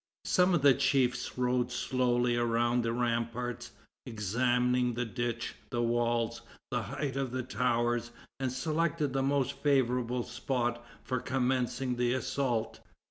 Some of the chiefs rode slowly around the ramparts, examining the ditch, the walls, the height of the towers, and selected the most favorable spot for commencing the assault.